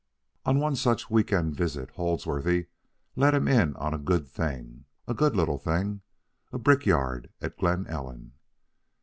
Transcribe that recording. On one such week end visit, Holdsworthy let him in on a good thing, a good little thing, a brickyard at Glen Ellen.